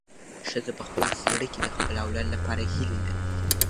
ښځه په خپل زړه کې د خپل اولاد لپاره هیلې لري.